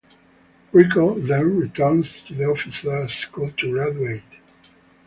Rico then returns to the officer school to graduate.